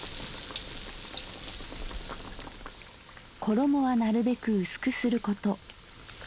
「ころもはなるべく薄くすること。